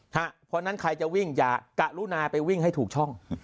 เพราะฉะนั้นใครจะวิ่งอย่ากะรุนาไปวิ่งให้ถูกช่อง